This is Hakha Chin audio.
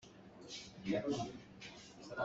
Tangka na ngei el maw?